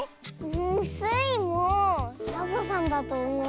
んスイもサボさんだとおもう。